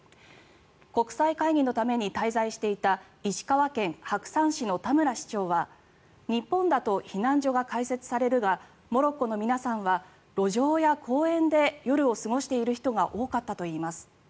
国際会議のために滞在していた石川県白山市の田村市長は日本だと避難所が開設されるがモロッコの皆さんは路上や公園で夜を過ごしている人が多かったといいます。